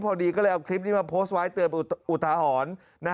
พอดีก็เลยเอาคลิปนี้มาโพสต์ไว้เตือนอุทาหรณ์